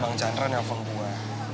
bang jandra nelfon gue